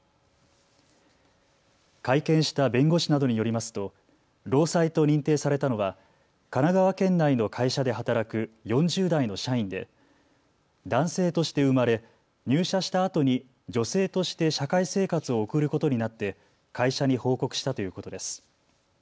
会見した弁護士などによりますと労災と認定されたのは神奈川県内の会社で働く４０代の社員で男性として生まれ、入社したあとに女性として社会生活を送ることになって会社に報告したということです。